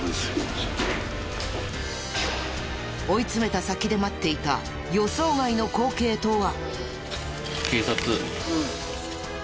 追い詰めた先で待っていた予想外の光景とは？